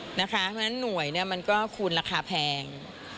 เพราะฉะนั้นหน่วยมันก็คูณราคาแพง